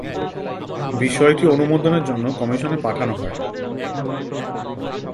বিষয়টি অনুমোদনের জন্য কমিশনে পাঠানো হয়।